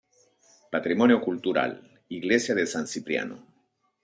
Patrimonio Cultural: Iglesia de San Cipriano.